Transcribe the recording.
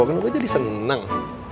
kan gua jadi seneng